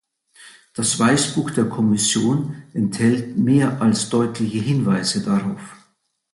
Das Weißbuch der Kommission enthält mehr als deutliche Hinweise darauf.